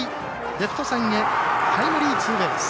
レフト線へタイムリーツーベース。